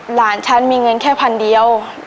หลานฉันมีเงินแค่พันเดียว